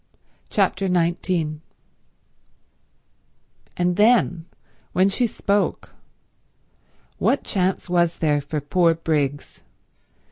Chapter 19 And then when she spoke ... what chance was there for poor Briggs?